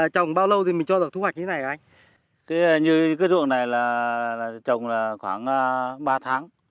các dụng này trồng khoảng ba tháng